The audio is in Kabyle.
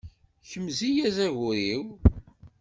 Kmez-iyi azagur-iw.